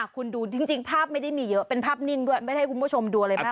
คุณดูจริงภาพไม่ได้มีเยอะเป็นภาพนิ่งด้วยไม่ได้ให้คุณผู้ชมดูอะไรมาก